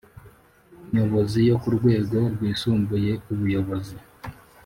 Nyobozi yo ku rwego rwisumbuye ubuyobozi